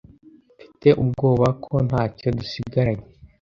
Mfite ubwoba ko ntacyo dusigaranye